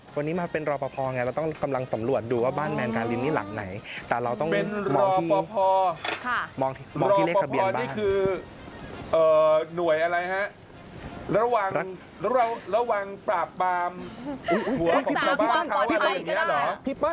วันนี้มาเป็นรอปภไงเราต้องกำลังสำรวจดูว่าบ้านแมนการินที่หลักไหนเป็นรอปภรอปภนี่คือหน่วยอะไรฮะระวังปราบปามหัวของเธอบ้านเขาอะไรอย่างนี้หรอ